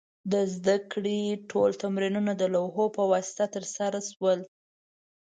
د زده کړې ټول تمرینونه د لوحو په واسطه ترسره شول.